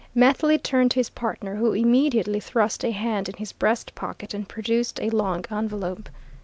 Methley turned to his partner, who immediately thrust a hand in his breastpocket and produced a long envelope.